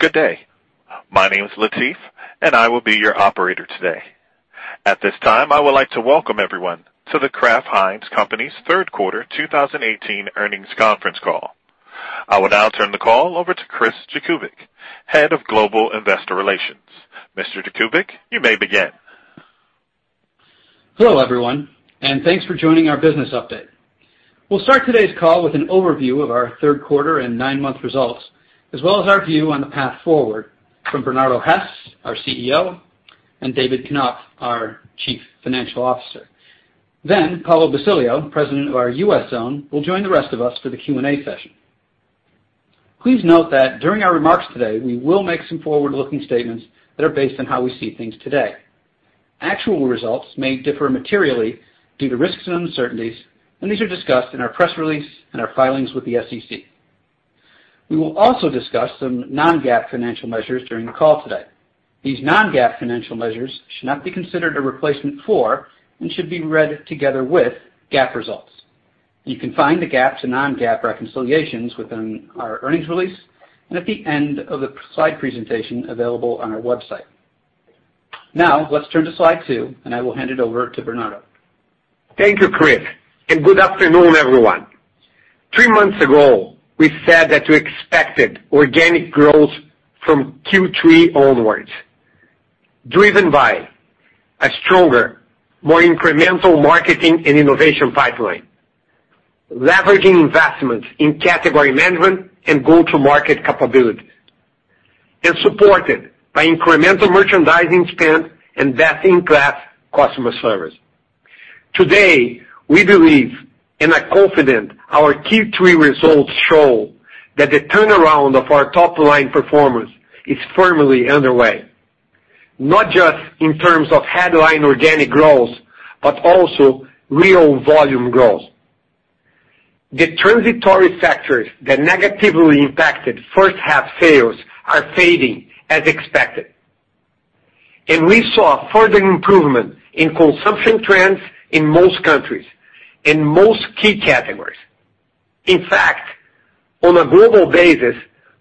Good day. My name is Latif, I will be your operator today. At this time, I would like to welcome everyone to The Kraft Heinz Company's third quarter 2018 earnings conference call. I will now turn the call over to Chris Jakubik, head of Global Investor Relations. Mr. Jakubik, you may begin. Hello, everyone. Thanks for joining our business update. We'll start today's call with an overview of our third quarter and nine-month results, as well as our view on the path forward from Bernardo Hees, our CEO, and David Knopf, our chief financial officer. Paulo Basilio, president of our U.S. zone, will join the rest of us for the Q&A session. Please note that during our remarks today, we will make some forward-looking statements that are based on how we see things today. Actual results may differ materially due to risks and uncertainties. These are discussed in our press release and our filings with the SEC. We will also discuss some non-GAAP financial measures during the call today. These non-GAAP financial measures should not be considered a replacement for and should be read together with GAAP results. You can find the GAAP to non-GAAP reconciliations within our earnings release and at the end of the slide presentation available on our website. Let's turn to slide two. I will hand it over to Bernardo. Thank you, Chris. Good afternoon, everyone. Three months ago, we said that we expected organic growth from Q3 onwards, driven by a stronger, more incremental marketing and innovation pipeline, leveraging investments in category management and go-to-market capabilities, and supported by incremental merchandising spend and best-in-class customer service. Today, we believe and are confident our Q3 results show that the turnaround of our top-line performance is firmly underway, not just in terms of headline organic growth, but also real volume growth. The transitory factors that negatively impacted first half sales are fading as expected. We saw a further improvement in consumption trends in most countries, in most key categories. In fact, on a global basis,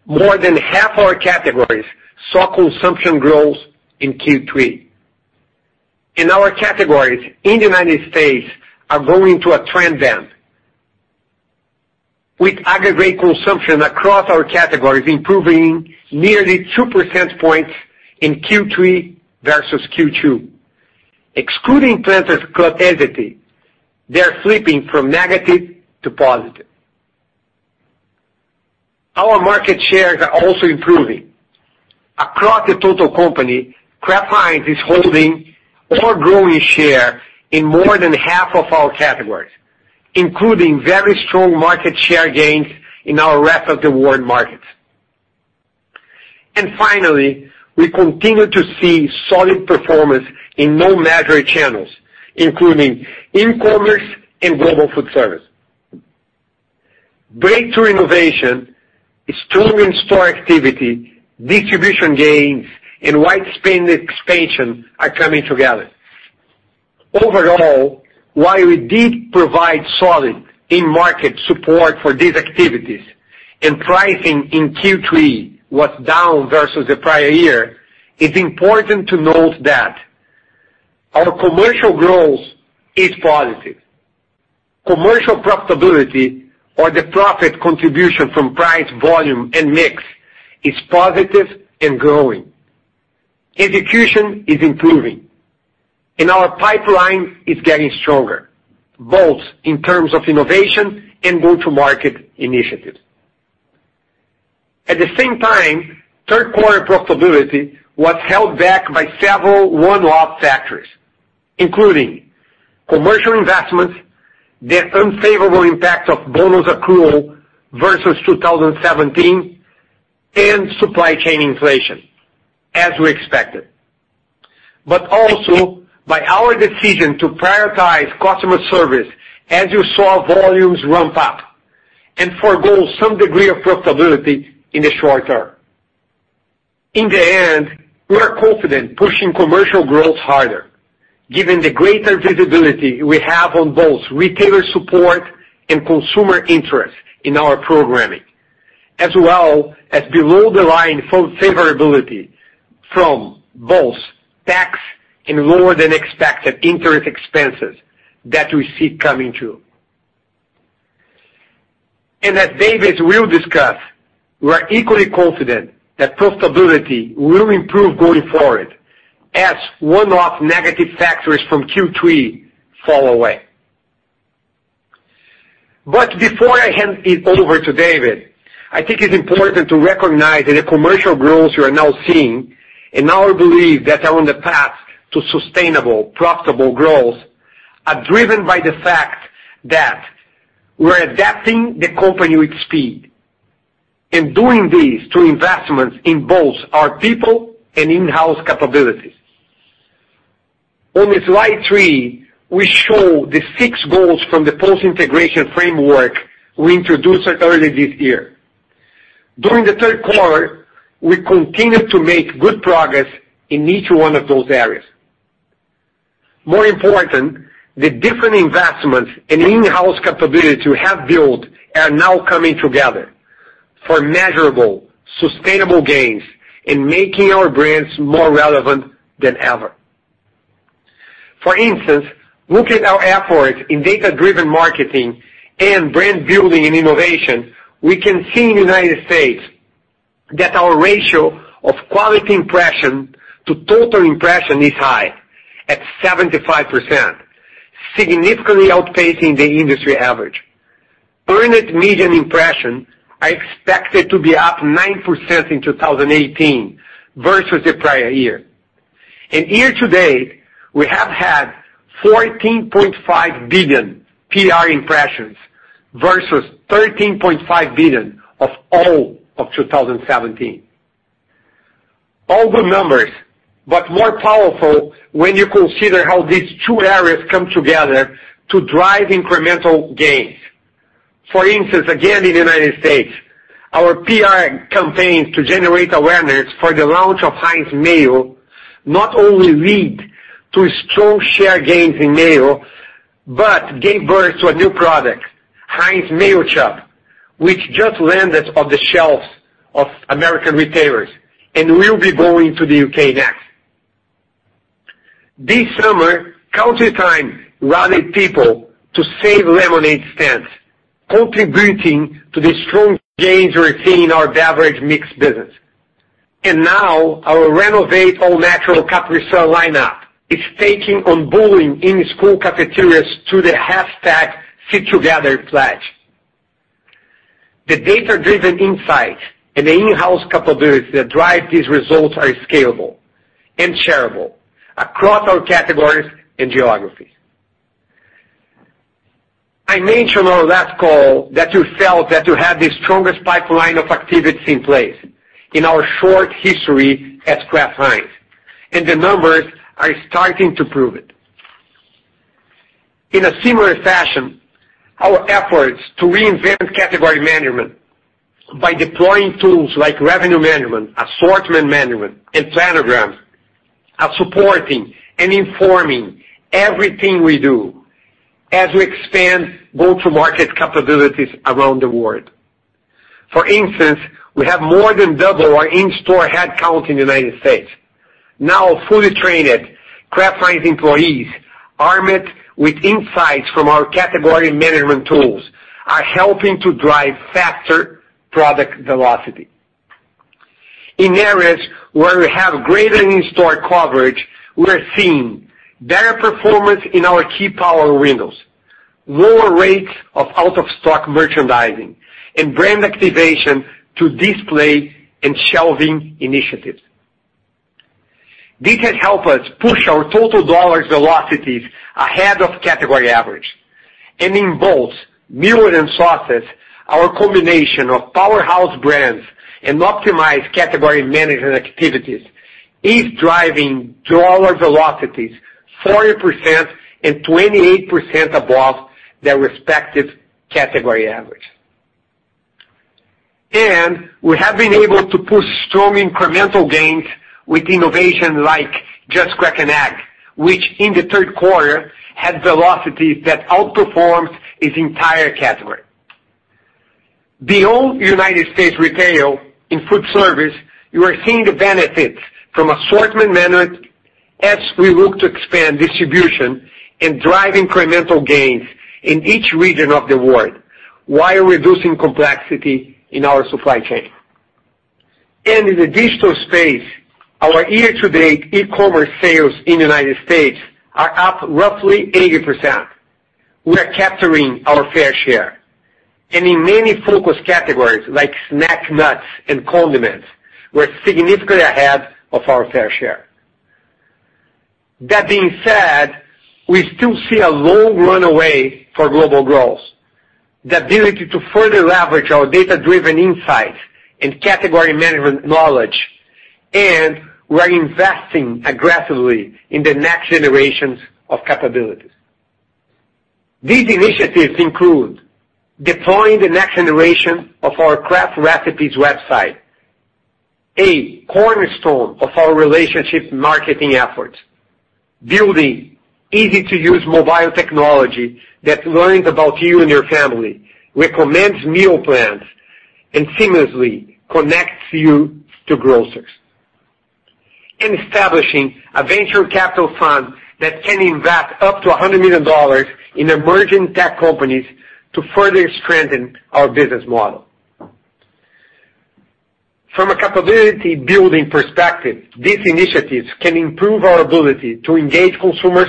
more than half our categories saw consumption growth in Q3. Our categories in the U.S. are going through a trend then with aggregate consumption across our categories improving nearly 2 percentage points in Q3 versus Q2. Excluding transitory Planters impact, they are flipping from negative to positive. Our market shares are also improving. Across the total company, Kraft Heinz is holding or growing share in more than half of our categories, including very strong market share gains in our rest of the world markets. Finally, we continue to see solid performance in unmeasured channels, including e-commerce and global food service. Breakthrough innovation is strong in-store activity, distribution gains, and white space expansion are coming together. While we did provide solid in-market support for these activities and pricing in Q3 was down versus the prior year, it's important to note that our commercial growth is positive. Commercial profitability or the profit contribution from price, volume, and mix is positive and growing. Execution is improving and our pipeline is getting stronger, both in terms of innovation and go-to-market initiatives. At the same time, third quarter profitability was held back by several one-off factors, including commercial investments, the unfavorable impact of bonus accrual versus 2017, and supply chain inflation, as we expected. Also by our decision to prioritize customer service as you saw volumes ramp up and forgo some degree of profitability in the short term. We are confident pushing commercial growth harder given the greater visibility we have on both retailer support and consumer interest in our programming, as well as below the line favorability from both tax and lower than expected interest expenses that we see coming through. As David will discuss, we are equally confident that profitability will improve going forward as one-off negative factors from Q3 fall away. Before I hand it over to David, I think it's important to recognize that the commercial growth you are now seeing, and our belief that we are on the path to sustainable, profitable growth, are driven by the fact that we're adapting the company with speed and doing this through investments in both our people and in-house capabilities. On slide three, we show the six goals from the post-integration framework we introduced earlier this year. During the third quarter, we continued to make good progress in each one of those areas. The different investments and in-house capability we have built are now coming together for measurable, sustainable gains in making our brands more relevant than ever. Look at our efforts in data-driven marketing and brand building and innovation. We can see in the U.S. that our ratio of quality impressions to total impressions is high at 75%, significantly outpacing the industry average. Earned media impressions are expected to be up 9% in 2018 versus the prior year. Year-to-date, we have had 14.5 billion PR impressions versus 13.5 billion of all of 2017. All good numbers. More powerful when you consider how these two areas come together to drive incremental gains. In the U.S., our PR campaigns to generate awareness for the launch of Heinz Mayo not only lead to strong share gains in mayo, but gave birth to a new product, Heinz Mayochup, which just landed on the shelves of American retailers and will be going to the U.K. next. This summer, Country Time rallied people to save lemonade stands, contributing to the strong gains we're seeing in our beverage mix business. Now our renovate all-natural Capri Sun lineup is taking on bullying in school cafeterias to the hashtag Sit Together pledge. The data-driven insights and the in-house capabilities that drive these results are scalable and shareable across all categories and geographies. I mentioned on our last call that you felt that you had the strongest pipeline of activities in place in our short history at Kraft Heinz, and the numbers are starting to prove it. In a similar fashion, our efforts to reinvent category management by deploying tools like revenue management, assortment management, and planograms are supporting and informing everything we do as we expand go-to-market capabilities around the world. For instance, we have more than double our in-store headcount in the U.S. Now, fully trained Kraft Heinz employees, armed with insights from our category management tools, are helping to drive faster product velocity. In areas where we have greater in-store coverage, we are seeing better performance in our key power windows, lower rates of out-of-stock merchandising, and brand activation to display and shelving initiatives. This has helped us push our total dollar velocities ahead of category average. In both meal and sauces, our combination of powerhouse brands and optimized category management activities is driving dollar velocities 40% and 28% above their respective category average. We have been able to push strong incremental gains with innovation like Just Crack an Egg, which in the third quarter had velocities that outperformed its entire category. Beyond U.S. retail, in food service, we are seeing the benefits from assortment management as we look to expand distribution and drive incremental gains in each region of the world while reducing complexity in our supply chain. In the digital space, our year-to-date e-commerce sales in the U.S. are up roughly 80%. We are capturing our fair share. In many focus categories like snack nuts and condiments, we're significantly ahead of our fair share. That being said, we still see a long runway for global growth, the ability to further leverage our data-driven insights and category management knowledge, and we're investing aggressively in the next generations of capabilities. These initiatives include deploying the next generation of our Kraft Recipes website, a cornerstone of our relationship marketing efforts. Building easy-to-use mobile technology that learns about you and your family, recommends meal plans, and seamlessly connects you to grocers. Establishing a venture capital fund that can invest up to $100 million in emerging tech companies to further strengthen our business model. From a capability building perspective, these initiatives can improve our ability to engage consumers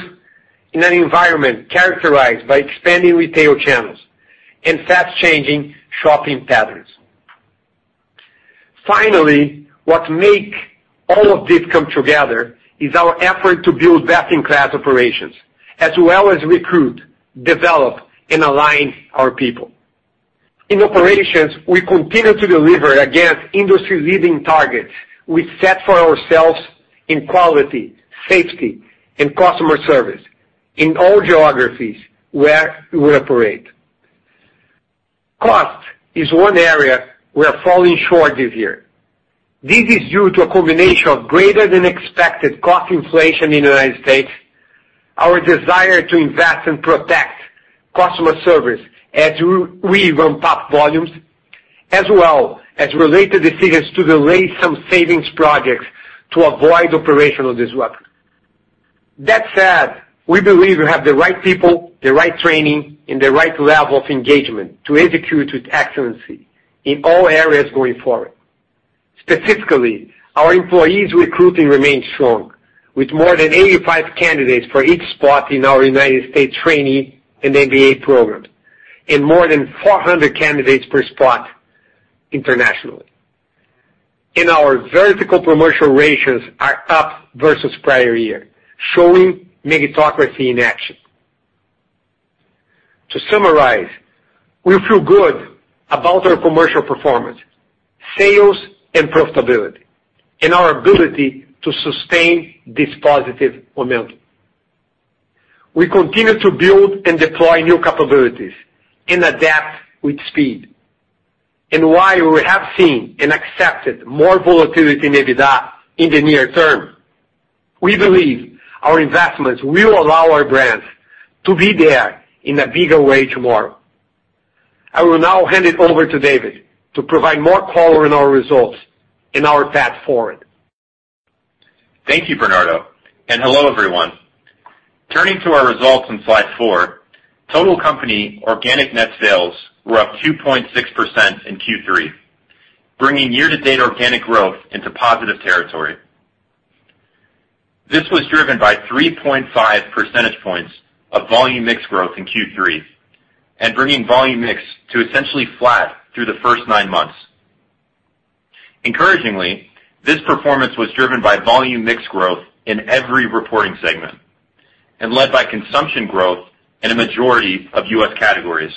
in an environment characterized by expanding retail channels and fast-changing shopping patterns. Finally, what make all of this come together is our effort to build best-in-class operations, as well as recruit, develop, and align our people. In operations, we continue to deliver against industry-leading targets we set for ourselves in quality, safety, and customer service in all geographies where we operate. Cost is one area we are falling short this year. This is due to a combination of greater than expected cost inflation in the U.S., our desire to invest and protect customer service as we ramp up volumes, as well as related decisions to delay some savings projects to avoid operational disruption. That said, we believe we have the right people, the right training, and the right level of engagement to execute with excellence in all areas going forward. Specifically, our employees recruiting remains strong with more than 85 candidates for each spot in our U.S. trainee and MBA programs, and more than 400 candidates per spot internationally. Our vertical promotional ratios are up versus prior year, showing meritocracy in action. To summarize, we feel good about our commercial performance, sales and profitability, and our ability to sustain this positive momentum. We continue to build and deploy new capabilities and adapt with speed. While we have seen and accepted more volatility in EBITDA in the near term, we believe our investments will allow our brands to be there in a bigger way tomorrow. I will now hand it over to David to provide more color on our results and our path forward. Thank you, Bernardo, and hello, everyone. Turning to our results on slide four, total company organic net sales were up 2.6% in Q3, bringing year-to-date organic growth into positive territory. This was driven by 3.5 percentage points of volume mix growth in Q3, bringing volume mix to essentially flat through the first nine months. Encouragingly, this performance was driven by volume mix growth in every reporting segment and led by consumption growth in a majority of U.S. categories.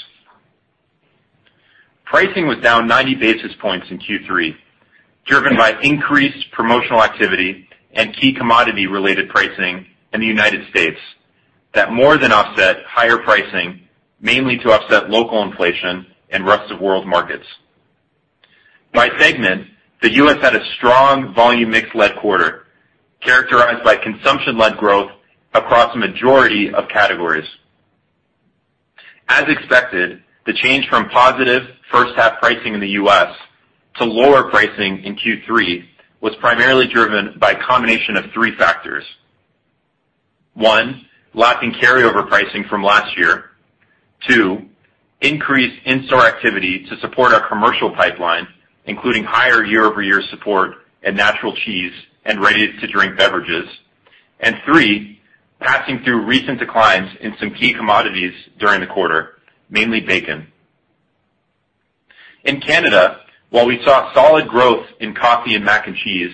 Pricing was down 90 basis points in Q3, driven by increased promotional activity and key commodity-related pricing in the U.S. that more than offset higher pricing, mainly to offset local inflation in rest of world markets. By segment, the U.S. had a strong volume mix-led quarter, characterized by consumption-led growth across a majority of categories. As expected, the change from positive first half pricing in the U.S. to lower pricing in Q3 was primarily driven by a combination of three factors. One, lacking carryover pricing from last year. Two, increased in-store activity to support our commercial pipeline, including higher year-over-year support in natural cheese and ready-to-drink beverages. Three, passing through recent declines in some key commodities during the quarter, mainly bacon. In Canada, while we saw solid growth in coffee and mac and cheese,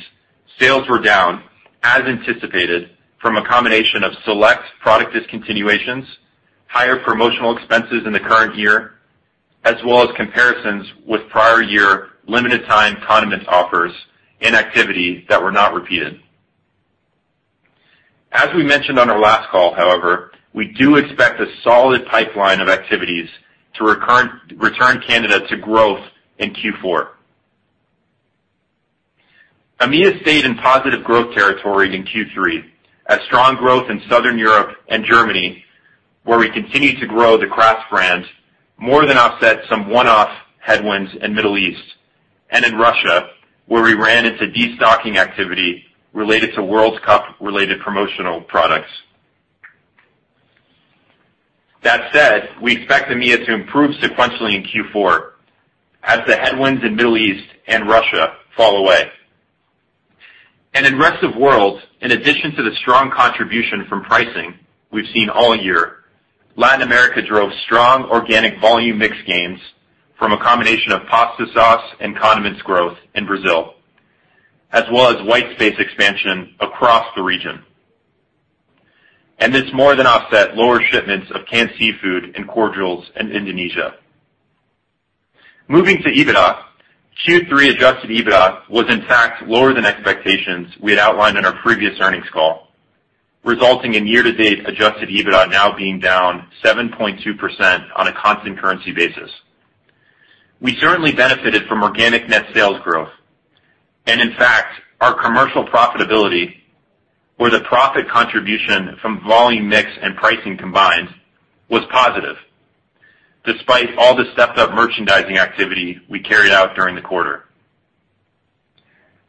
sales were down as anticipated from a combination of select product discontinuations, higher promotional expenses in the current year, as well as comparisons with prior year limited time condiments offers and activities that were not repeated. As we mentioned on our last call, however, we do expect a solid pipeline of activities to return Canada to growth in Q4. EMEA stayed in positive growth territory in Q3 as strong growth in Southern Europe and Germany, where we continue to grow the Kraft brand, more than offset some one-off headwinds in Middle East and in Russia, where we ran into destocking activity related to World Cup-related promotional products. That said, we expect EMEA to improve sequentially in Q4 as the headwinds in Middle East and Russia fall away. In rest of world, in addition to the strong contribution from pricing we've seen all year, Latin America drove strong organic volume mix gains from a combination of pasta sauce and condiments growth in Brazil, as well as white space expansion across the region. This more than offset lower shipments of canned seafood and cordials in Indonesia. Moving to EBITDA, Q3 adjusted EBITDA was in fact lower than expectations we had outlined on our previous earnings call, resulting in year-to-date adjusted EBITDA now being down 7.2% on a constant currency basis. We certainly benefited from organic net sales growth. In fact, our commercial profitability or the profit contribution from volume mix and pricing combined was positive despite all the stepped-up merchandising activity we carried out during the quarter.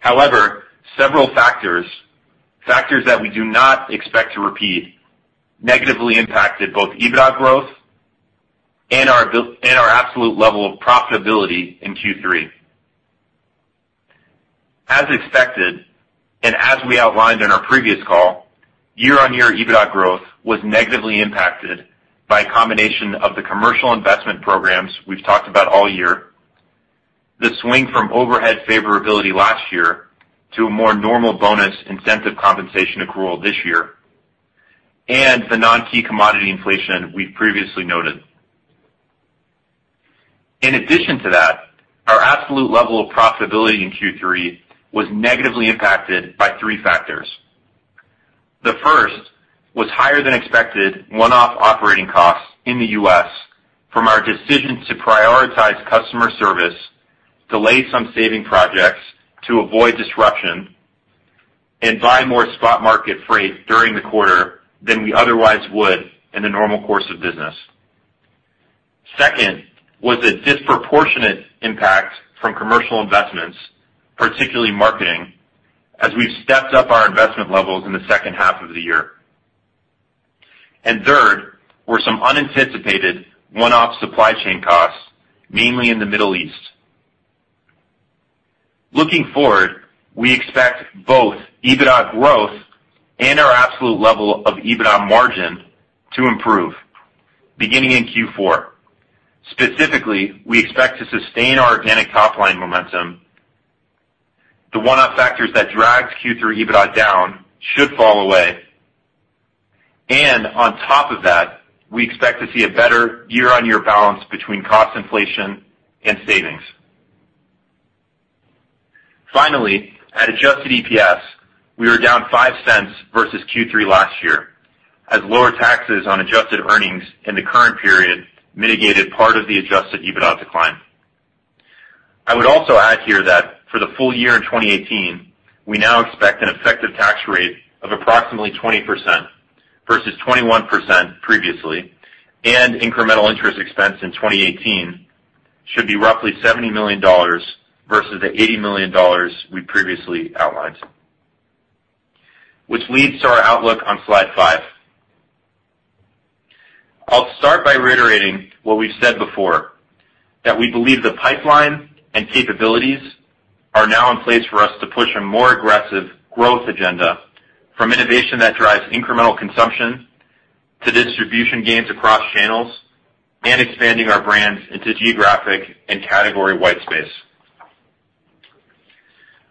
However, several factors that we do not expect to repeat, negatively impacted both EBITDA growth and our absolute level of profitability in Q3. As expected, and as we outlined in our previous call, year-on-year EBITDA growth was negatively impacted by a combination of the commercial investment programs we've talked about all year, the swing from overhead favorability last year to a more normal bonus incentive compensation accrual this year, and the non-key commodity inflation we've previously noted. In addition to that, our absolute level of profitability in Q3 was negatively impacted by three factors. The first was higher than expected one-off operating costs in the U.S. from our decision to prioritize customer service, delay some saving projects to avoid disruption, and buy more spot market freight during the quarter than we otherwise would in the normal course of business. Second was a disproportionate impact from commercial investments, particularly marketing, as we've stepped up our investment levels in the second half of the year. Third were some unanticipated one-off supply chain costs, mainly in the Middle East. Looking forward, we expect both EBITDA growth and our absolute level of EBITDA margin to improve beginning in Q4. Specifically, we expect to sustain our organic top-line momentum. The one-off factors that dragged Q3 EBITDA down should fall away. On top of that, we expect to see a better year-on-year balance between cost inflation and savings. Finally, at adjusted EPS, we were down $0.05 versus Q3 last year, as lower taxes on adjusted earnings in the current period mitigated part of the adjusted EBITDA decline. I would also add here that for the full year in 2018, we now expect an effective tax rate of approximately 20% versus 21% previously, and incremental interest expense in 2018 should be roughly $70 million versus the $80 million we previously outlined. Which leads to our outlook on slide five. I'll start by reiterating what we've said before, that we believe the pipeline and capabilities are now in place for us to push a more aggressive growth agenda from innovation that drives incremental consumption to distribution gains across channels and expanding our brands into geographic and category white space.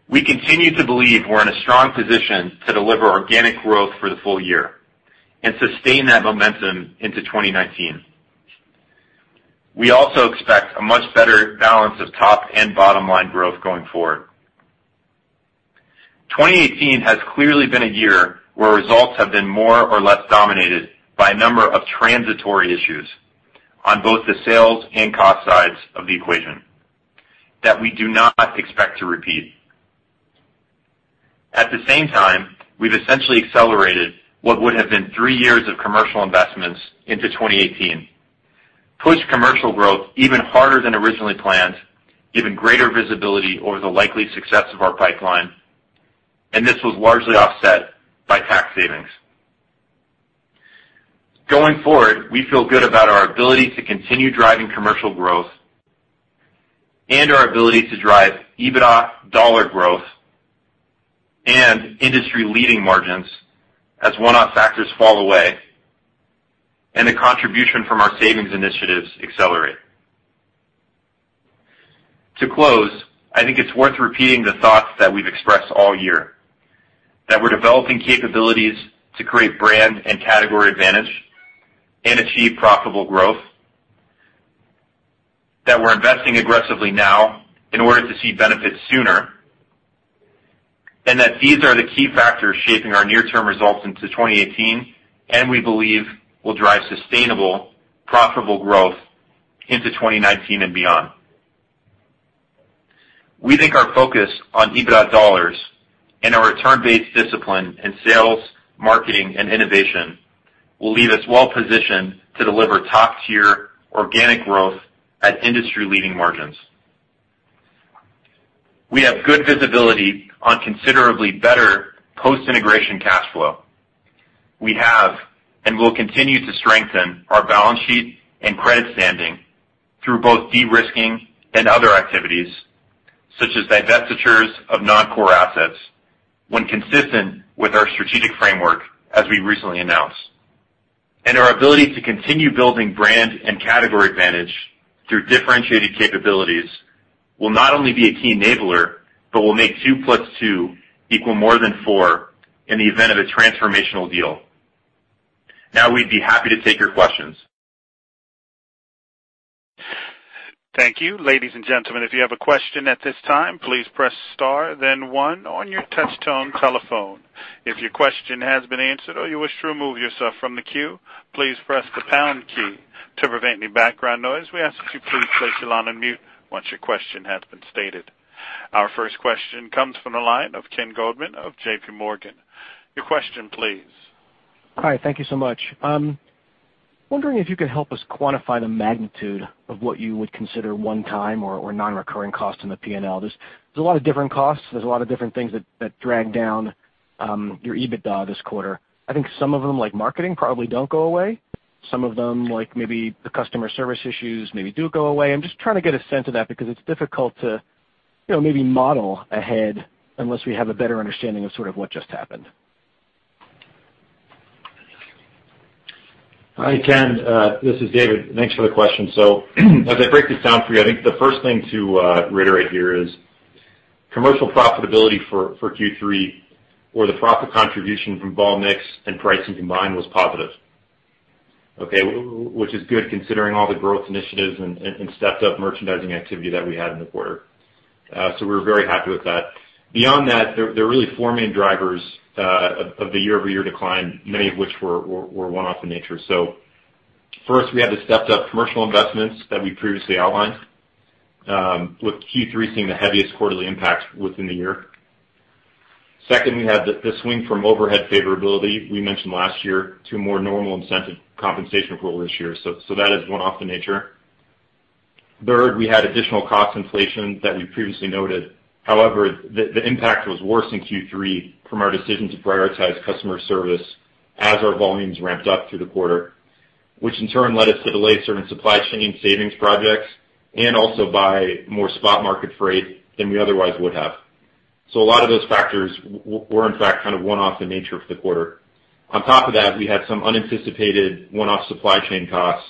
We continue to believe we're in a strong position to deliver organic growth for the full year and sustain that momentum into 2019. We also expect a much better balance of top and bottom-line growth going forward. 2018 has clearly been a year where results have been more or less dominated by a number of transitory issues on both the sales and cost sides of the equation that we do not expect to repeat. At the same time, we've essentially accelerated what would have been three years of commercial investments into 2018, pushed commercial growth even harder than originally planned, given greater visibility over the likely success of our pipeline, and this was largely offset by tax savings. Going forward, we feel good about our ability to continue driving commercial growth and our ability to drive EBITDA dollar growth and industry-leading margins as one-off factors fall away, and the contribution from our savings initiatives accelerate. To close, I think it's worth repeating the thoughts that we've expressed all year. That we're developing capabilities to create brand and category advantage and achieve profitable growth, that we're investing aggressively now in order to see benefits sooner, and that these are the key factors shaping our near-term results into 2018 and we believe will drive sustainable, profitable growth into 2019 and beyond. We think our focus on EBITDA dollars and our return-based discipline in sales, marketing, and innovation will leave us well positioned to deliver top-tier organic growth at industry-leading margins. We have good visibility on considerably better post-integration cash flow. We have, and will continue to strengthen our balance sheet and credit standing through both de-risking and other activities, such as divestitures of non-core assets when consistent with our strategic framework, as we recently announced. Our ability to continue building brand and category advantage through differentiated capabilities will not only be a key enabler, but will make two plus two equal more than four in the event of a transformational deal. We'd be happy to take your questions. Thank you. Ladies and gentlemen, if you have a question at this time, please press star then one on your touch-tone telephone. If your question has been answered or you wish to remove yourself from the queue, please press the pound key. To prevent any background noise, we ask that you please place yourself on mute once your question has been stated. Our first question comes from the line of Ken Goldman of JP Morgan. Your question please. Hi. Thank you so much. I'm wondering if you could help us quantify the magnitude of what you would consider one-time or non-recurring costs in the P&L. There's a lot of different costs. There's a lot of different things that dragged down your EBITDA this quarter. I think some of them, like marketing, probably don't go away. Some of them, like maybe the customer service issues, maybe do go away. I'm just trying to get a sense of that because it's difficult to maybe model ahead unless we have a better understanding of sort of what just happened. Hi, Ken. This is David. Thanks for the question. As I break this down for you, I think the first thing to reiterate here is commercial profitability for Q3 or the profit contribution from vol mix and pricing combined was positive. Okay, which is good considering all the growth initiatives and stepped-up merchandising activity that we had in the quarter. We're very happy with that. Beyond that, there are really four main drivers of the year-over-year decline, many of which were one-off in nature. First, we had the stepped-up commercial investments that we previously outlined, with Q3 seeing the heaviest quarterly impact within the year. Second, we had the swing from overhead favorability we mentioned last year to more normal incentive compensation for this year. That is one-off in nature. Third, we had additional cost inflation that we previously noted. However, the impact was worse in Q3 from our decision to prioritize customer service as our volumes ramped up through the quarter, which in turn led us to delay certain supply chain savings projects and also buy more spot market freight than we otherwise would have. A lot of those factors were in fact one-off in nature for the quarter. On top of that, we had some unanticipated one-off supply chain costs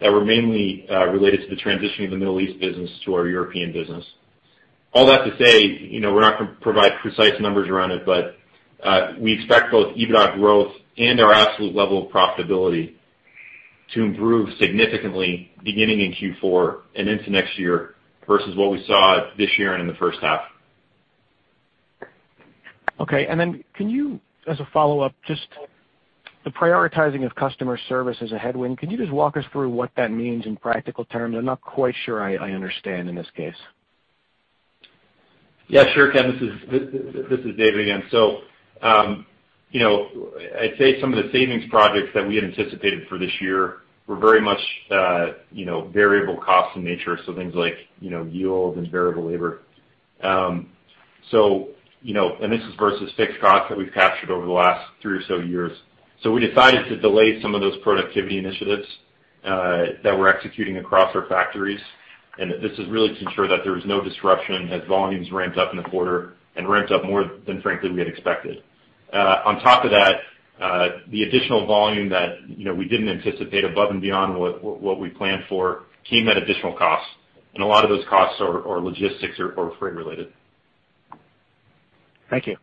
that were mainly related to the transitioning of the Middle East business to our European business. All that to say, we're not going to provide precise numbers around it, but we expect both EBITDA growth and our absolute level of profitability to improve significantly beginning in Q4 and into next year versus what we saw this year and in the first half. Okay, can you, as a follow-up, just the prioritizing of customer service as a headwind, can you just walk us through what that means in practical terms? I'm not quite sure I understand in this case. Yeah, sure, Ken. This is David again. I'd say some of the savings projects that we had anticipated for this year were very much variable costs in nature, things like yield and variable labor. This is versus fixed costs that we've captured over the last three or so years. We decided to delay some of those productivity initiatives that we're executing across our factories. This is really to ensure that there is no disruption as volumes ramped up in the quarter and ramped up more than frankly we had expected. On top of that, the additional volume that we didn't anticipate above and beyond what we planned for came at additional costs, and a lot of those costs are logistics or freight related. Thank you.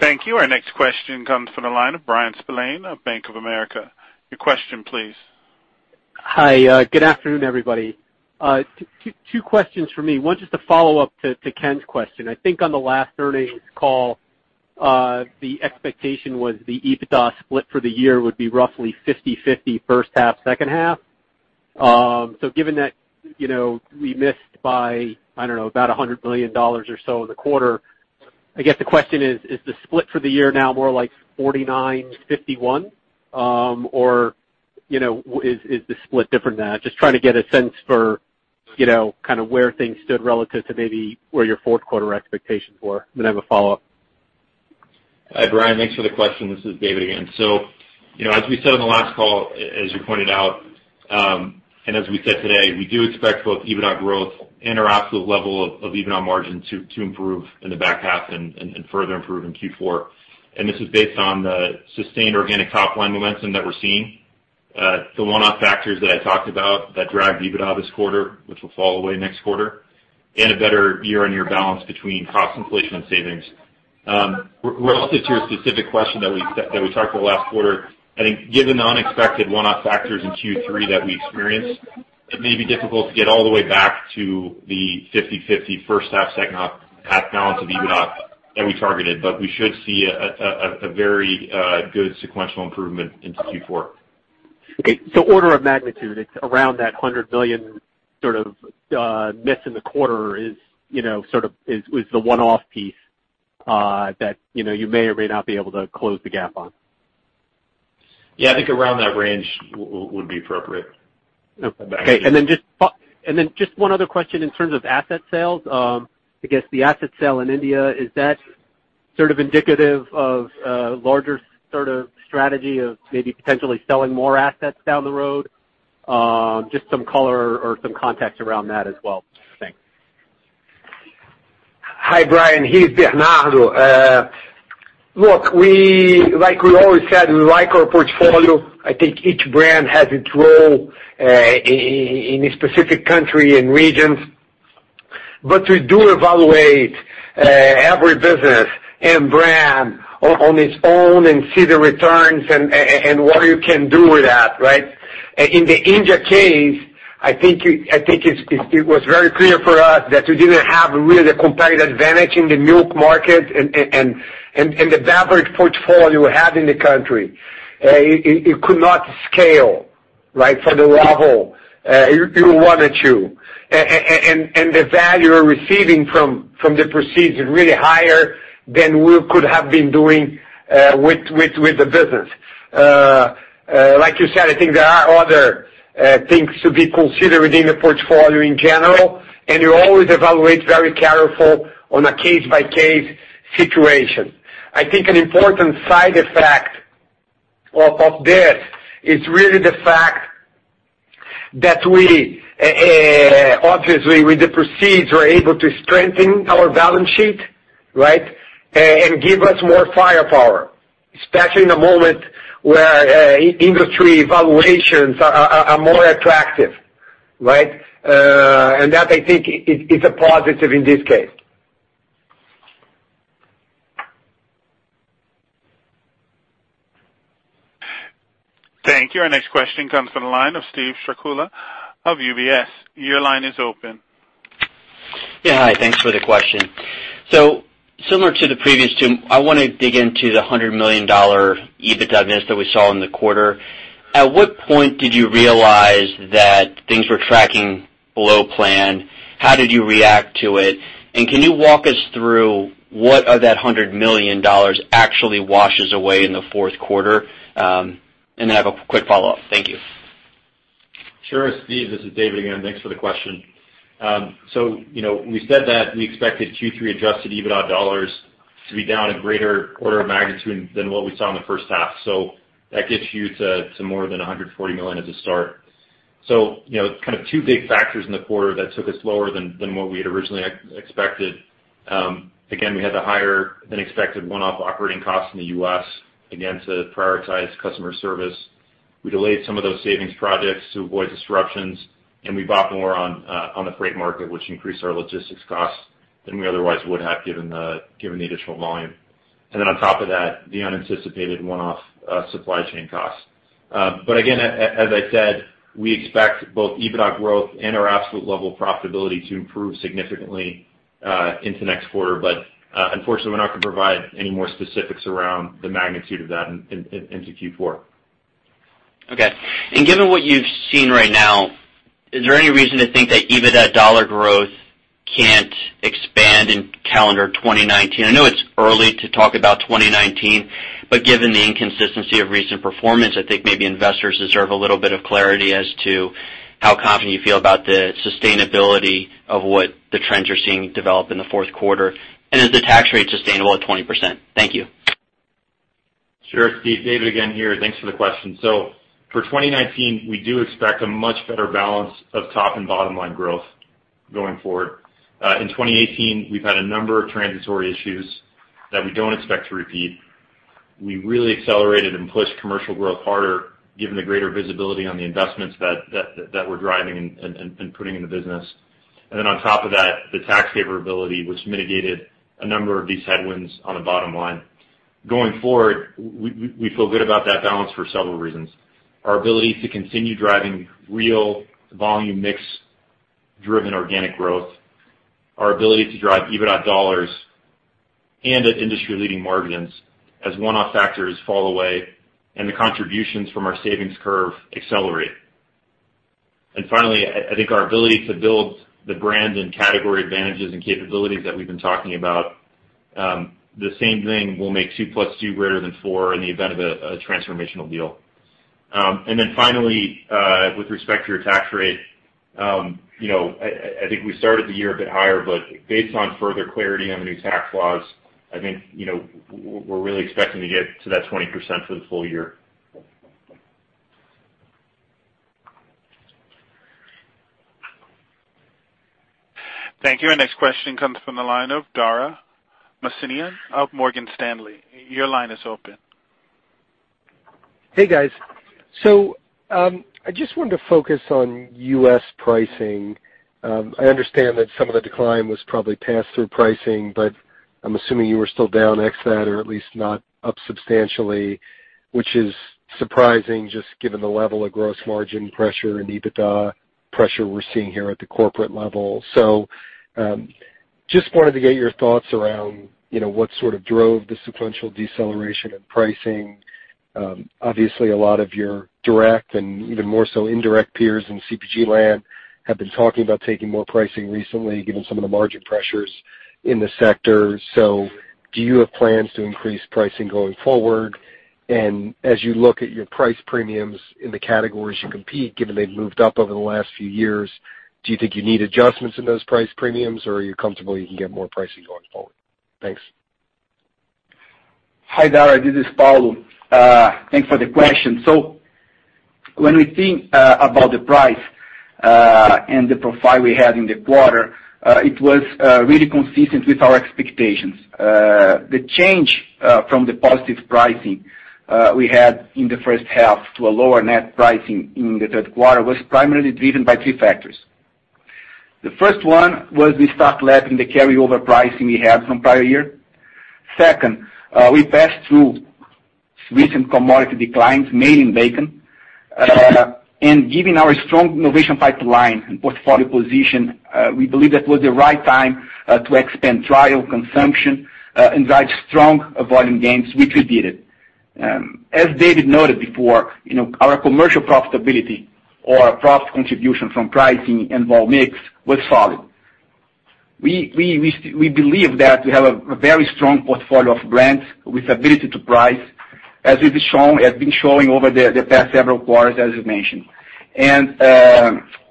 Thank you. Our next question comes from the line of Bryan Spillane of Bank of America. Your question please. Hi. Good afternoon, everybody. Two questions for me. One's just a follow-up to Ken's question. I think on the last earnings call, the expectation was the EBITDA split for the year would be roughly 50/50 first half, second half. Given that we missed by, I don't know, about $100 million or so in the quarter, I guess the question is the split for the year now more like 49/51? Or is the split different now? Just trying to get a sense for where things stood relative to maybe where your fourth quarter expectations were. I have a follow-up. Hi, Bryan, thanks for the question. This is David again. As we said on the last call, as you pointed out, and as we said today, we do expect both EBITDA growth and our absolute level of EBITDA margin to improve in the back half and further improve in Q4. This is based on the sustained organic top-line momentum that we're seeing. The one-off factors that I talked about that dragged EBITDA this quarter, which will fall away next quarter, and a better year-on-year balance between cost inflation and savings. Related to your specific question that we talked about last quarter, I think given the unexpected one-off factors in Q3 that we experienced, it may be difficult to get all the way back to the 50/50 first half/second half balance of EBITDA that we targeted, but we should see a very good sequential improvement into Q4. Okay, order of magnitude, it's around that $100 million sort of miss in the quarter is the one-off piece that you may or may not be able to close the gap on. Yeah, I think around that range would be appropriate. Okay. Just one other question in terms of asset sales. I guess the asset sale in India, is that sort of indicative of a larger strategy of maybe potentially selling more assets down the road? Just some color or some context around that as well. Thanks. Hi, Bryan. Here's Bernardo. Look, like we always said, we like our portfolio. I think each brand has its role in a specific country and regions. We do evaluate every business and brand on its own and see the returns and what you can do with that, right? In the India case, I think it was very clear for us that we didn't have really the competitive advantage in the milk market and the beverage portfolio we had in the country. It could not scale for the level you wanted to. The value we're receiving from the proceeds is really higher than we could have been doing with the business. Like you said, I think there are other things to be considered within the portfolio in general, and you always evaluate very careful on a case-by-case situation. I think an important side effect of this is really the fact that we obviously, with the proceeds, we're able to strengthen our balance sheet, right? Give us more firepower, especially in a moment where industry valuations are more attractive, right? That I think is a positive in this case. Thank you. Our next question comes from the line of Steven Strycula of UBS. Your line is open. Yeah. Hi. Thanks for the question. Similar to the previous two, I want to dig into the $100 million EBITDA miss that we saw in the quarter. At what point did you realize that things were tracking below plan? How did you react to it? Can you walk us through what of that $100 million actually washes away in the fourth quarter? I have a quick follow-up. Thank you. Sure, Steve, this is David again. Thanks for the question. We said that we expected Q3 adjusted EBITDA dollars to be down a greater order of magnitude than what we saw in the first half. That gets you to some more than $140 million as a start. Kind of two big factors in the quarter that took us lower than what we had originally expected. Again, we had the higher than expected one-off operating costs in the U.S., again, to prioritize customer service. We delayed some of those savings projects to avoid disruptions, and we bought more on the freight market, which increased our logistics costs than we otherwise would have given the additional volume. On top of that, the unanticipated one-off supply chain costs. Again, as I said, we expect both EBITDA growth and our absolute level of profitability to improve significantly into next quarter. Unfortunately, we're not going to provide any more specifics around the magnitude of that into Q4. Okay. Given what you've seen right now, is there any reason to think that EBITDA dollar growth can't expand in calendar 2019? I know it's early to talk about 2019, but given the inconsistency of recent performance, I think maybe investors deserve a little bit of clarity as to how confident you feel about the sustainability of what the trends you're seeing develop in the fourth quarter. Is the tax rate sustainable at 20%? Thank you. Sure, Steve. David again here. Thanks for the question. For 2019, we do expect a much better balance of top and bottom-line growth going forward. In 2018, we've had a number of transitory issues that we don't expect to repeat. We really accelerated and pushed commercial growth harder given the greater visibility on the investments that we're driving and putting in the business. On top of that, the tax favorability, which mitigated a number of these headwinds on the bottom line. Going forward, we feel good about that balance for several reasons. Our ability to continue driving real volume mix driven organic growth, our ability to drive EBITDA dollars and at industry leading margins as one-off factors fall away and the contributions from our savings curve accelerate. Finally, I think our ability to build the brands and category advantages and capabilities that we've been talking about, the same thing will make two plus two greater than four in the event of a transformational deal. Finally, with respect to your tax rate, I think we started the year a bit higher, but based on further clarity on the new tax laws, I think, we're really expecting to get to that 20% for the full year. Thank you. Our next question comes from the line of Dara Mohsenian of Morgan Stanley. Your line is open. Hey, guys. I just wanted to focus on U.S. pricing. I understand that some of the decline was probably passed through pricing, but I'm assuming you were still down X that or at least not up substantially, which is surprising just given the level of gross margin pressure and EBITDA pressure we're seeing here at the corporate level. I just wanted to get your thoughts around what sort of drove the sequential deceleration in pricing. Obviously, a lot of your direct and even more so indirect peers in CPG land have been talking about taking more pricing recently given some of the margin pressures in the sector. Do you have plans to increase pricing going forward? As you look at your price premiums in the categories you compete, given they've moved up over the last few years, do you think you need adjustments in those price premiums, or are you comfortable you can get more pricing going forward? Thanks. Hi, Dara. This is Paulo. Thanks for the question. When we think about the price, and the profile we had in the quarter, it was really consistent with our expectations. The change from the positive pricing we had in the first half to a lower net pricing in the third quarter was primarily driven by three factors. The first one was we stopped letting the carryover pricing we had from prior year. Second, we passed through recent commodity declines made in bacon. Given our strong innovation pipeline and portfolio position, we believe that was the right time to expand trial consumption and drive strong volume gains, which we did. As David noted before, our commercial profitability or profit contribution from pricing and volume mix was solid. We believe that we have a very strong portfolio of brands with ability to price, as we've been showing over the past several quarters, as you mentioned.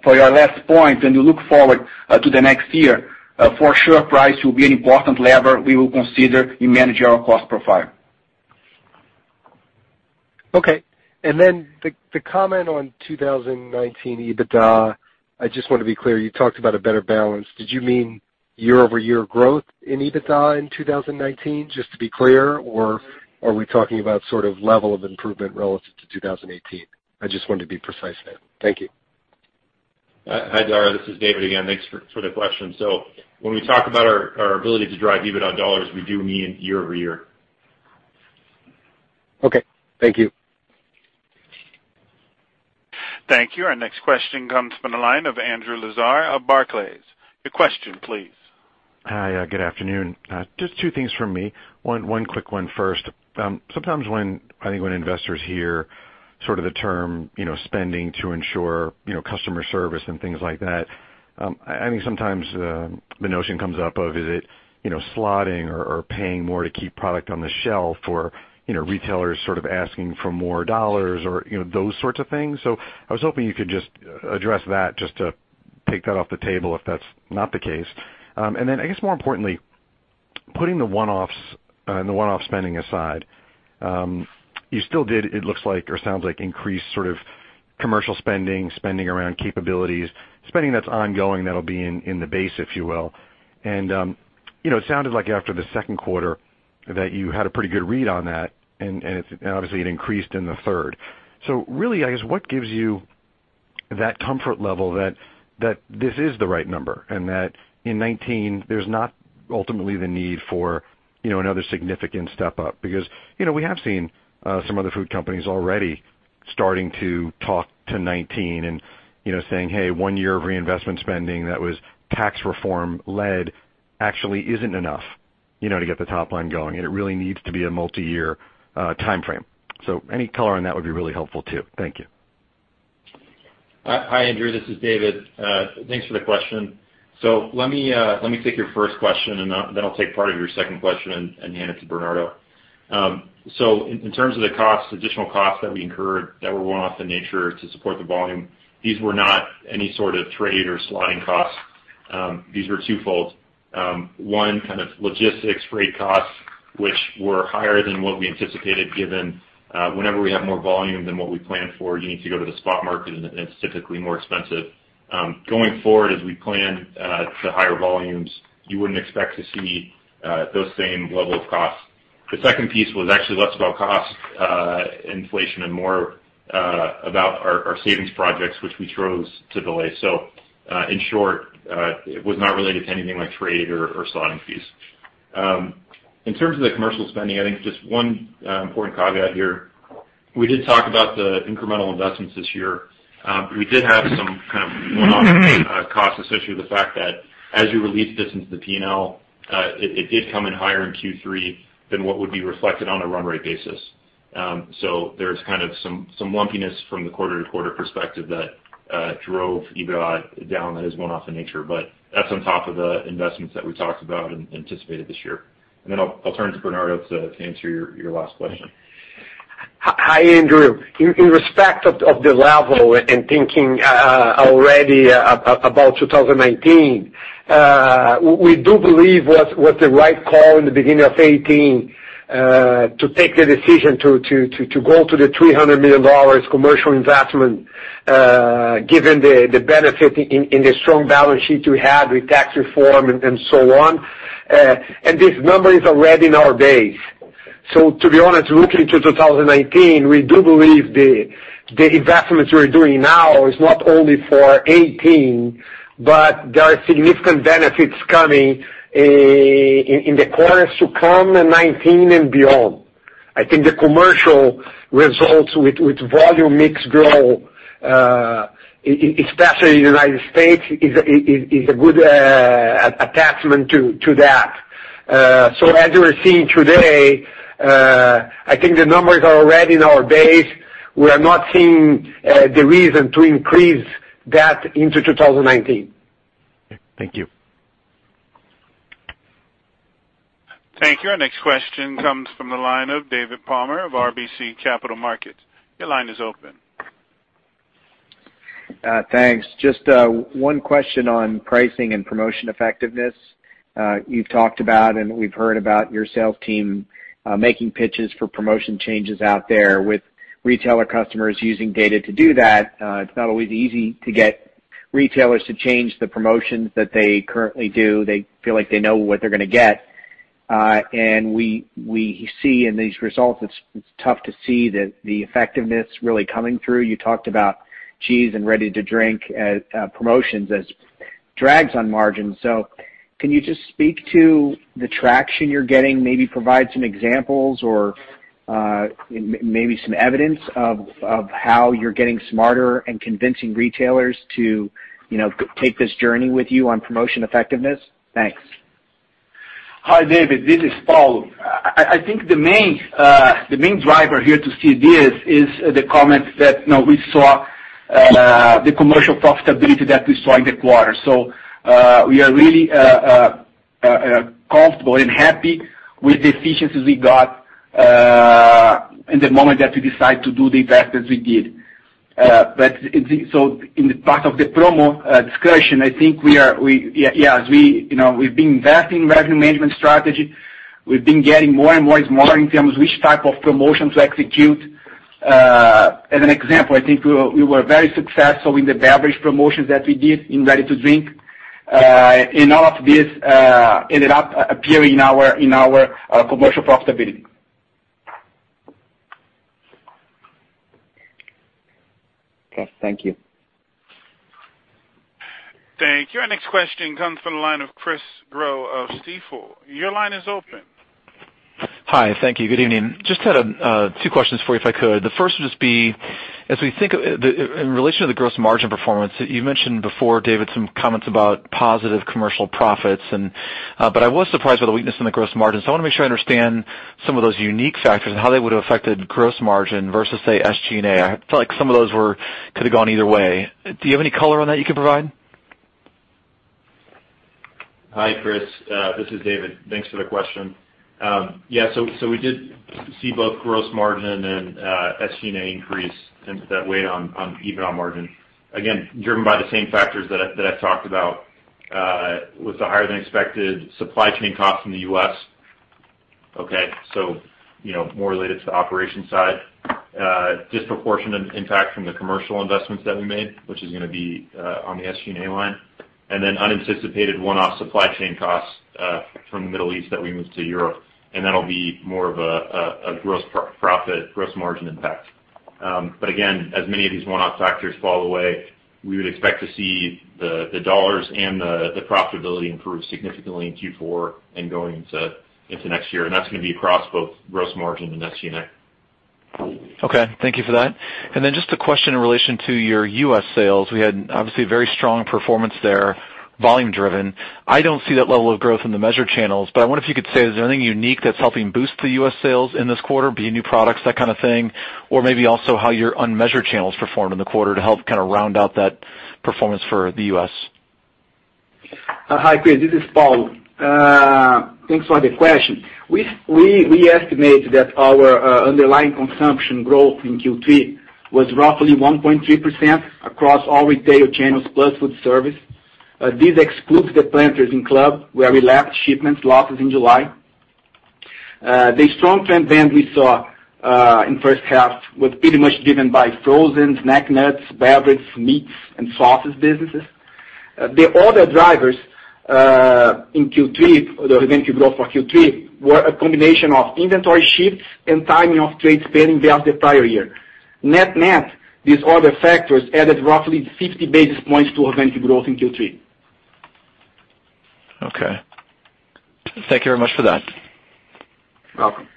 For your last point, when you look forward to the next year, for sure price will be an important lever we will consider in managing our cost profile. Okay. The comment on 2019 EBITDA, I just want to be clear, you talked about a better balance. Did you mean year-over-year growth in EBITDA in 2019, just to be clear? Or are we talking about sort of level of improvement relative to 2018? I just wanted to be precise there. Thank you. Hi, Dara. This is David again. Thanks for the question. When we talk about our ability to drive EBITDA dollars, we do mean year-over-year. Okay, thank you. Thank you. Our next question comes from the line of Andrew Lazar of Barclays. Your question please. Hi. Good afternoon. Just two things from me. One quick one first. Sometimes I think when investors hear sort of the term spending to ensure customer service and things like that, I think sometimes the notion comes up of is it slotting or paying more to keep product on the shelf for retailers sort of asking for more $ or those sorts of things. I was hoping you could just address that just to take that off the table if that's not the case. Then I guess more importantly, putting the one-off spending aside, you still did, it looks like, or sounds like, increased sort of commercial spending around capabilities, spending that's ongoing, that'll be in the base, if you will. It sounded like after the second quarter that you had a pretty good read on that, and obviously it increased in the third. Really, I guess, what gives you that comfort level that this is the right number and that in 2019 there's not ultimately the need for another significant step up? We have seen some other food companies already starting to talk to 2019 and saying, "Hey, one year of reinvestment spending that was tax reform led actually isn't enough to get the top line going, and it really needs to be a multi-year timeframe." Any color on that would be really helpful too. Thank you. Hi, Andrew. This is David. Thanks for the question. Let me take your first question, and then I'll take part of your second question and hand it to Bernardo. In terms of the additional costs that we incurred that were one-off in nature to support the volume, these were not any sort of trade or slotting costs. These were twofold. One, kind of logistics rate costs, which were higher than what we anticipated given whenever we have more volume than what we planned for, you need to go to the spot market, and it's typically more expensive. Going forward, as we plan the higher volumes, you wouldn't expect to see those same level of costs. The second piece was actually less about cost inflation and more about our savings projects, which we chose to delay. In short, it was not related to anything like trade or slotting fees. In terms of the commercial spending, I think just one important caveat here, we did talk about the incremental investments this year. We did have some kind of one-off costs, especially with the fact that as you release this into the P&L, it did come in higher in Q3 than what would be reflected on a run rate basis. There's kind of some lumpiness from the quarter-over-quarter perspective that drove EBIT down that is one-off in nature, but that's on top of the investments that we talked about and anticipated this year. Then I'll turn to Bernardo to answer your last question. Hi, Andrew. In respect of the level and thinking already about 2019, we do believe what the right call in the beginning of 2018 to take the decision to go to the $300 million commercial investment given the benefit in the strong balance sheet we had with tax reform and so on. This number is already in our base. To be honest, looking to 2019, we do believe the investments we're doing now is not only for 2018, but there are significant benefits coming in the quarters to come in 2019 and beyond. I think the commercial results with volume mix grow, especially in the U.S., is a good attachment to that. As you are seeing today, I think the numbers are already in our base. We are not seeing the reason to increase that into 2019. Okay. Thank you. Thank you. Our next question comes from the line of David Palmer of RBC Capital Markets. Your line is open. Thanks. Just one question on pricing and promotion effectiveness. You've talked about, and we've heard about your sales team making pitches for promotion changes out there with retailer customers using data to do that. It's not always easy to get retailers to change the promotions that they currently do. They feel like they know what they're gonna get. We see in these results it's tough to see the effectiveness really coming through. You talked about cheese and ready-to-drink promotions as drags on margins. Can you just speak to the traction you're getting, maybe provide some examples or maybe some evidence of how you're getting smarter and convincing retailers to take this journey with you on promotion effectiveness? Thanks. Hi, David. This is Paulo. I think the main driver here to see this is the comment that we saw the commercial profitability that we saw in the quarter. We are really comfortable and happy with the efficiencies we got in the moment that we decide to do the investments we did. In the part of the promo discussion, I think we've been investing in revenue management strategy. We've been getting more and more smart in terms of which type of promotion to execute. As an example, I think we were very successful in the beverage promotions that we did in ready-to-drink. All of this ended up appearing in our commercial profitability. Okay, thank you. Thank you. Our next question comes from the line of Chris Growe of Stifel. Your line is open. Hi. Thank you. Good evening. Just had two questions for you, if I could. The first would just be, in relation to the gross margin performance, you mentioned before, David, some comments about positive commercial profits. I was surprised by the weakness in the gross margin. I want to make sure I understand some of those unique factors and how they would have affected gross margin versus, say, SG&A. I felt like some of those could have gone either way. Do you have any color on that you can provide? Hi, Chris. This is David. Thanks for the question. Yeah, we did see both gross margin and SG&A increase and put that weight on EBITDA margin. Again, driven by the same factors that I talked about with the higher than expected supply chain costs in the U.S. Okay? More related to the operation side. Disproportionate impact from the commercial investments that we made, which is going to be on the SG&A line. Then unanticipated one-off supply chain costs from the Middle East that we moved to Europe, and that'll be more of a gross profit, gross margin impact. Again, as many of these one-off factors fall away, we would expect to see the dollars and the profitability improve significantly in Q4 and going into next year. That's going to be across both gross margin and SG&A. Okay, thank you for that. Then just a question in relation to your U.S. sales. We had obviously very strong performance there, volume driven. I don't see that level of growth in the measured channels. I wonder if you could say, is there anything unique that's helping boost the U.S. sales in this quarter, be it new products, that kind of thing, or maybe also how your unmeasured channels performed in the quarter to help kind of round out that performance for the U.S. Hi, Chris. This is Paulo. Thanks for the question. We estimate that our underlying consumption growth in Q3 was roughly 1.3% across all retail channels plus food service. This excludes the Planters in club where we lapped shipments losses in July. The strong trend then we saw in first half was pretty much driven by frozen snack nuts, beverage, meats, and sauces businesses. The other drivers in Q3, the organic growth for Q3, were a combination of inventory shifts and timing of trade spending versus the prior year. Net-net, these other factors added roughly 50 basis points to organic growth in Q3. Okay. Thank you very much for that. Welcome.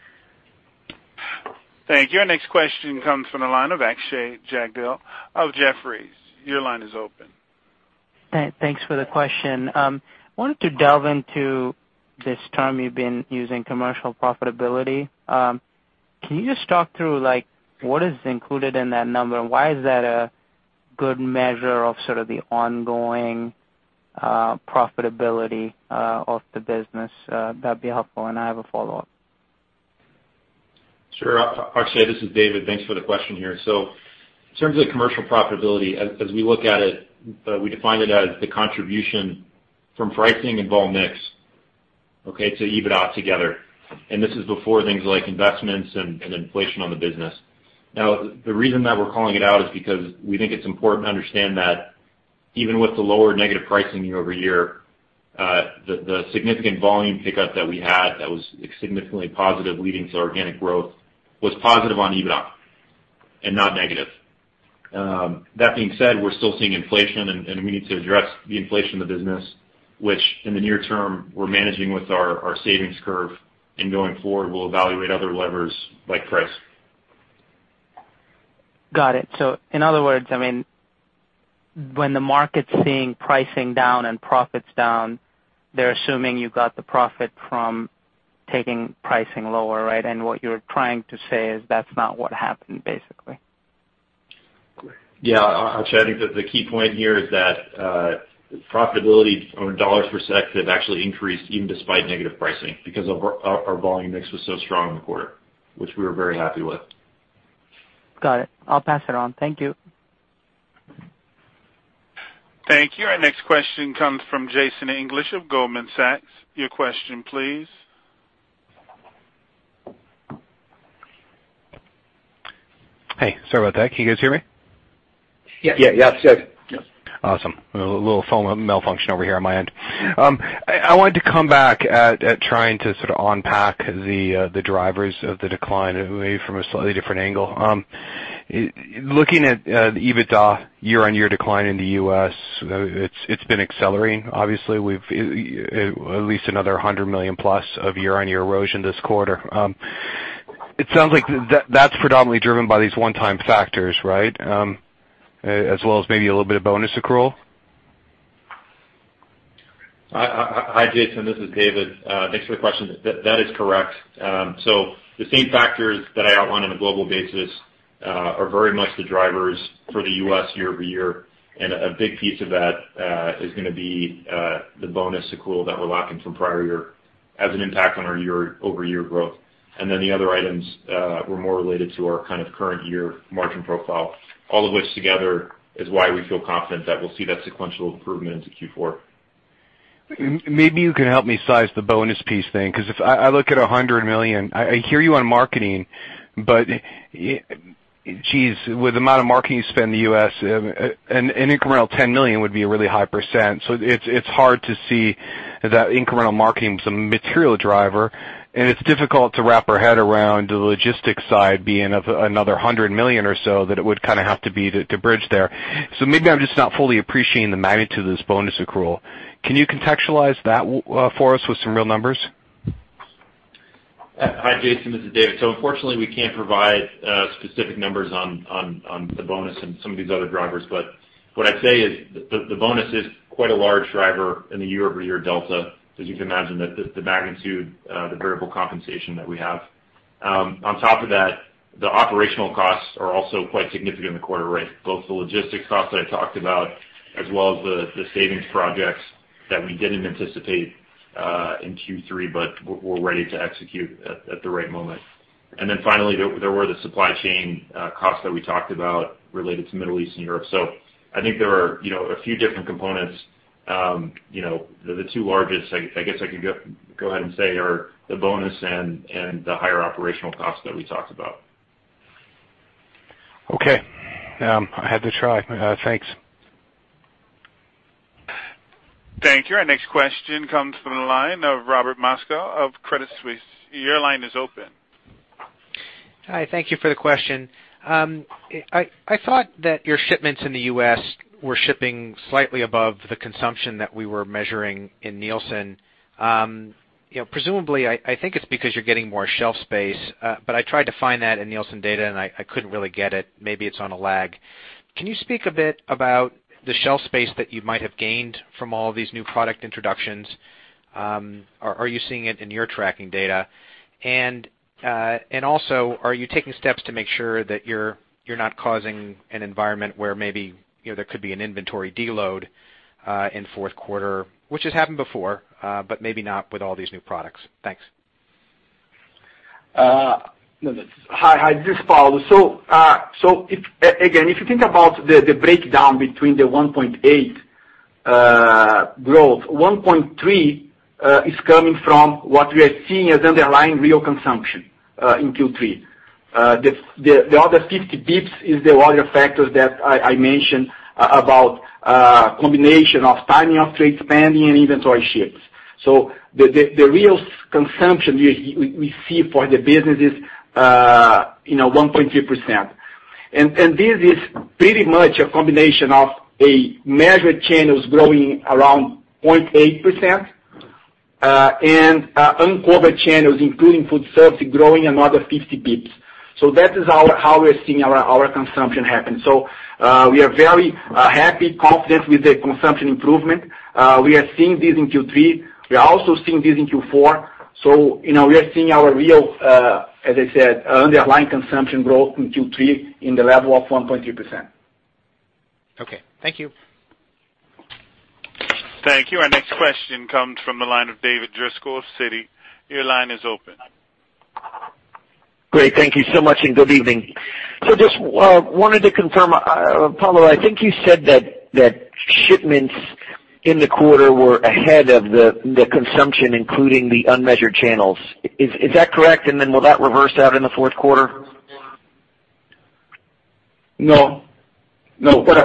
Thank you. Our next question comes from the line of Akshay Jagdale of Jefferies. Your line is open. Thanks for the question. I wanted to delve into this term you've been using, commercial profitability. Can you just talk through what is included in that number, and why is that a good measure of sort of the ongoing profitability of the business? That'd be helpful. I have a follow-up. Sure. Akshay, this is David. Thanks for the question here. In terms of the commercial profitability, as we look at it, we define it as the contribution from pricing and volume mix to EBITDA together. This is before things like investments and inflation on the business. The reason that we're calling it out is because we think it's important to understand that even with the lower negative pricing year-over-year, the significant volume pickup that we had that was significantly positive leading to organic growth was positive on EBITDA and not negative. That being said, we're still seeing inflation, we need to address the inflation in the business, which in the near term, we're managing with our savings curve and going forward will evaluate other levers like price. Got it. In other words, when the market's seeing pricing down and profits down, they're assuming you got the profit from taking pricing lower, right? What you're trying to say is that's not what happened, basically. Yeah. Akshay, I think that the key point here is that profitability or dollars per share have actually increased even despite negative pricing because our volume mix was so strong in the quarter, which we were very happy with. Got it. I'll pass it on. Thank you. Thank you. Our next question comes from Jason English of Goldman Sachs. Your question, please. Hey, sorry about that. Can you guys hear me? Yes. Yes. Good. Awesome. A little phone malfunction over here on my end. I wanted to come back at trying to sort of unpack the drivers of the decline maybe from a slightly different angle. Looking at the EBITDA year-on-year decline in the U.S., it's been accelerating. Obviously, at least another $100 million plus of year-on-year erosion this quarter. It sounds like that's predominantly driven by these one-time factors, right? As well as maybe a little bit of bonus accrual? Hi, Jason. This is David. Thanks for the question. That is correct. The same factors that I outlined on a global basis are very much the drivers for the U.S. year-over-year. A big piece of that is going to be the bonus accrual that we're lacking from prior year has an impact on our year-over-year growth. The other items were more related to our kind of current year margin profile. All of which together is why we feel confident that we'll see that sequential improvement into Q4. Maybe you can help me size the bonus piece thing, because if I look at $100 million, I hear you on marketing, but geez, with the amount of marketing you spend in the U.S., an incremental $10 million would be a really high percent. It's hard to see that incremental marketing is a material driver, and it's difficult to wrap our head around the logistics side being another $100 million or so that it would have to be to bridge there. Maybe I'm just not fully appreciating the magnitude of this bonus accrual. Can you contextualize that for us with some real numbers? Hi, Jason, this is David. Unfortunately, we can't provide specific numbers on the bonus and some of these other drivers, but what I'd say is the bonus is quite a large driver in the year-over-year delta, as you can imagine, the magnitude of the variable compensation that we have. On top of that, the operational costs are also quite significant in the quarter, both the logistics costs that I talked about, as well as the savings projects that we didn't anticipate in Q3 but we're ready to execute at the right moment. Finally, there were the supply chain costs that we talked about related to Middle East and Europe. I think there are a few different components. The two largest, I guess I could go ahead and say, are the bonus and the higher operational costs that we talked about. Okay. I had to try. Thanks. Thank you. Our next question comes from the line of Robert Moskow of Credit Suisse. Your line is open. Hi, thank you for the question. I thought that your shipments in the U.S. were shipping slightly above the consumption that we were measuring in Nielsen. Presumably, I think it's because you're getting more shelf space. I tried to find that in Nielsen data, and I couldn't really get it. Maybe it's on a lag. Can you speak a bit about the shelf space that you might have gained from all these new product introductions? Are you seeing it in your tracking data? Also, are you taking steps to make sure that you're not causing an environment where maybe there could be an inventory deload in fourth quarter, which has happened before but maybe not with all these new products. Thanks. Hi, this is Paulo. Again, if you think about the breakdown between the 1.8% growth, 1.3% is coming from what we are seeing as underlying real consumption in Q3. The other 50 bps is the other factors that I mentioned about combination of timing of trade spending and inventory shifts. The real consumption we see for the business is 1.3%. This is pretty much a combination of a measured channels growing around 0.8% and uncovered channels, including food service, growing another 50 bps. That is how we're seeing our consumption happen. We are very happy, confident with the consumption improvement. We are seeing this in Q3. We are also seeing this in Q4. We are seeing our real, as I said, underlying consumption growth in Q3 in the level of 1.3%. Okay. Thank you. Thank you. Our next question comes from the line of David Driscoll of Citi. Your line is open. Great. Thank you so much, and good evening. Just wanted to confirm, Paulo, I think you said that shipments in the quarter were ahead of the consumption, including the unmeasured channels. Is that correct? Will that reverse out in the fourth quarter? No. What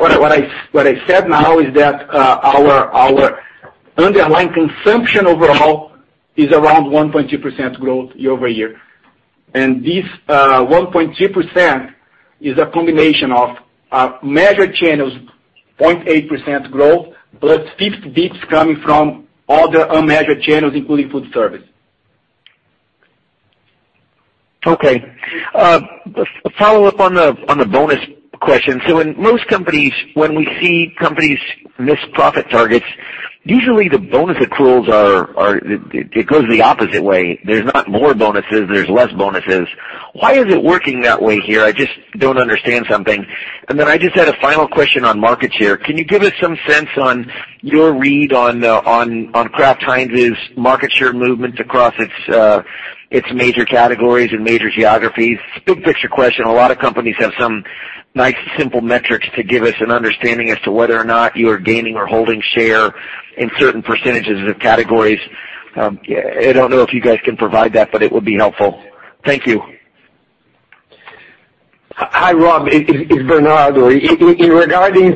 I said now is that our underlying consumption overall is around 1.3% growth year-over-year. This 1.3% is a combination of measured channels, 0.8% growth, plus 50 basis points coming from other unmeasured channels, including food service. Okay. A follow-up on the bonus question. In most companies, when we see companies miss profit targets, usually the bonus accruals it goes the opposite way. There's not more bonuses, there's less bonuses. Why is it working that way here? I just don't understand something. I just had a final question on market share. Can you give us some sense on your read on Kraft Heinz's market share movements across its major categories and major geographies? Big picture question. A lot of companies have some nice simple metrics to give us an understanding as to whether or not you are gaining or holding share in certain percentages of categories. I don't know if you guys can provide that, but it would be helpful. Thank you. Hi, Rob. It's Bernardo. Regarding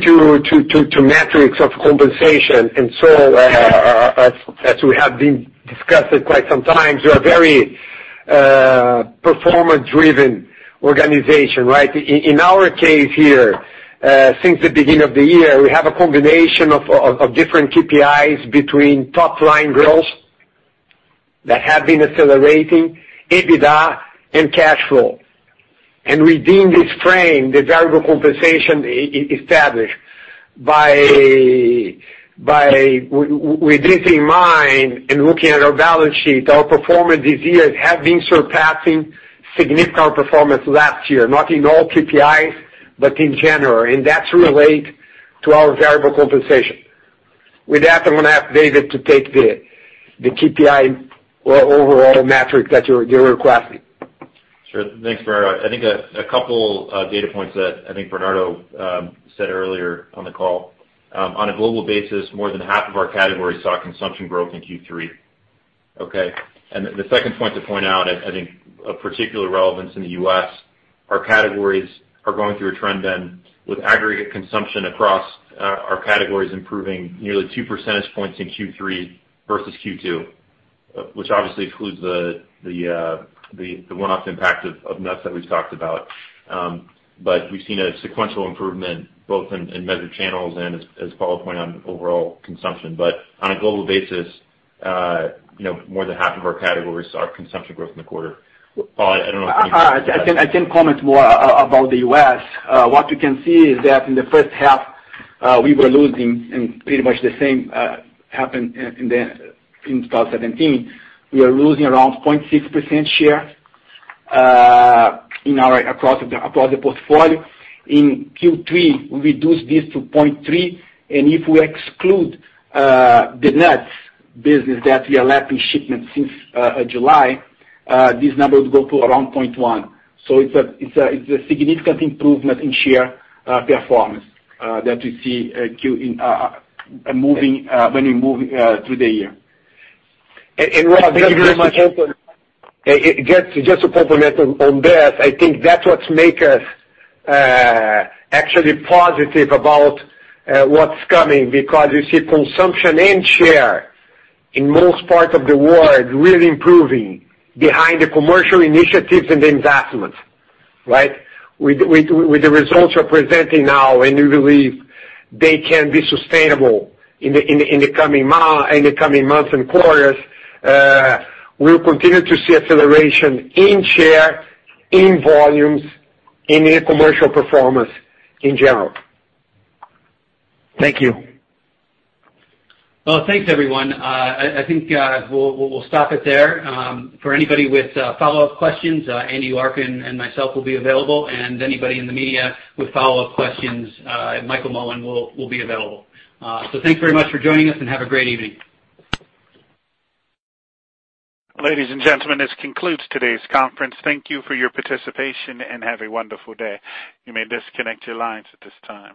metrics of compensation, as we have been discussing quite some time, we are very performance-driven organization, right. In our case here, since the beginning of the year, we have a combination of different KPIs between top-line growth that have been accelerating, EBITDA and cash flow. Within this frame, the variable compensation is established. With this in mind and looking at our balance sheet, our performance this year has been surpassing significant performance last year, not in all KPIs, but in general, and that relates to our variable compensation. With that, I'm going to ask David to take the KPI overall metric that you're requesting. Sure. Thanks, Bernardo. I think a couple of data points that I think Bernardo said earlier on the call. On a global basis, more than half of our categories saw consumption growth in Q3. Okay. The second point to point out, I think a particular relevance in the U.S., our categories are going through a trend with aggregate consumption across our categories improving nearly 2 percentage points in Q3 versus Q2, which obviously excludes the one-off impact of nuts that we've talked about. We've seen a sequential improvement both in measured channels and as Paulo pointed out, overall consumption. On a global basis, more than half of our categories saw consumption growth in the quarter. Paulo, I don't know if you- I can comment more about the U.S. What you can see is that in the first half, we were losing. Pretty much the same happened in 2017. We are losing around 0.6% share across the portfolio. In Q3, we reduced this to 0.3, and if we exclude the nuts business that we are lacking shipments since July, this number would go to around 0.1. It's a significant improvement in share performance that we see when we move through the year. Thank you very much. Just to complement on this, I think that's what make us actually positive about what's coming because you see consumption and share in most parts of the world really improving behind the commercial initiatives and the investments, right? With the results we're presenting now, and we believe they can be sustainable in the coming months and quarters, we'll continue to see acceleration in share, in volumes, and in commercial performance in general. Thank you. Well, thanks everyone. I think we'll stop it there. For anybody with follow-up questions, Andy Larkin and myself will be available, and anybody in the media with follow-up questions, Michael Mullen will be available. Thanks very much for joining us and have a great evening. Ladies and gentlemen, this concludes today's conference. Thank you for your participation and have a wonderful day. You may disconnect your lines at this time.